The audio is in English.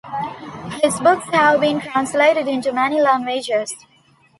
His books have been translated into many languages.